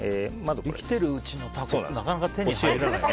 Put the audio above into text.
生きているうちのタコってなかなか手に入らない。